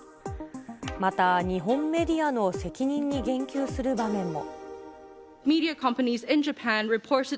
また、日本メディアの責任に言及する場面も。